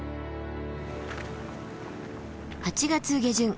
８月下旬